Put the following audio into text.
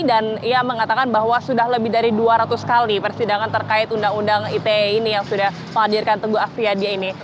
dan ia mengatakan bahwa sudah lebih dari dua ratus kali persidangan terkait undang undang ite ini yang sudah menghadirkan teguh afriyadi ini